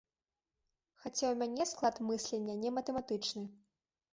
Хаця ў мяне склад мыслення не матэматычны.